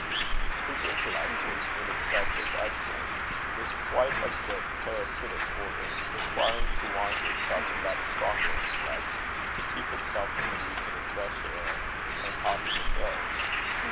His intellect, which in itself was excellent, was quite of the parasitic order, requiring to wind itself about a stronger intellect, to keep itself in the region of fresh air and possible growth.